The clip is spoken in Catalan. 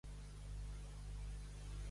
Com descriu a Espanya?